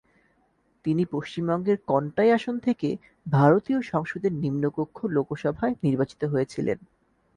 তিনি পশ্চিমবঙ্গের কনটাই আসন থেকে ভারতীয় সংসদের নিম্নকক্ষ লোকসভায় নির্বাচিত হয়েছিলেন।